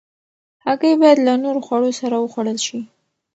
هګۍ باید له نورو خوړو سره وخوړل شي.